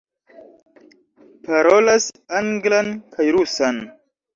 Parolas anglan kaj rusan.